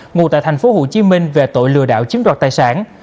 ngụ tại tp hcm về tội lừa đảo chiếm đoạt tài sản